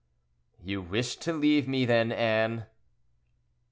"You wish to leave me then, Anne."